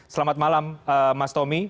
selamat malam mas tommy